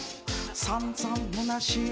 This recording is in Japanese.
さんざんむなしい